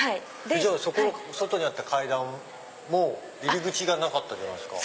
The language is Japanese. じゃあ外にあった階段も入り口がなかったじゃないですか。